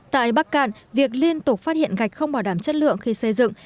tại bắc cạn việc liên tục phát hiện gạch không bảo đảm chất lượng khi xây dựng